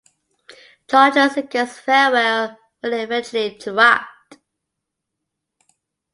Charges against Farrell were eventually dropped.